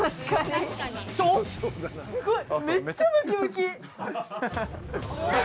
すごい！